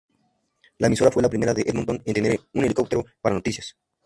La emisora fue la primera de Edmonton en tener un helicóptero para noticias.